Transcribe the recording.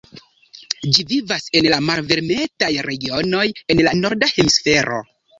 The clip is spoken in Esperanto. Ĝi vivas en la malvarmetaj regionoj en la norda hemisfero.